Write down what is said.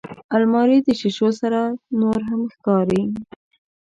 الماري د شیشو سره نورهم ښکاري